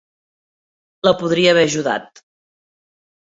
La podria haver ajudat.